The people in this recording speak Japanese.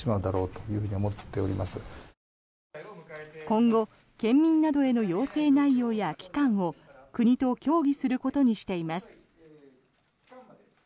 今後、県民などへの要請内容や期間を国と協議することにしています。